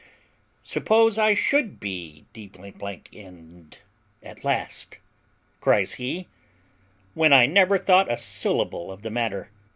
"Suppose I should be d ned at last," cries he, "when I never thought a syllable of the matter?